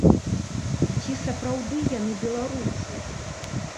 Ці сапраўды яны беларусы?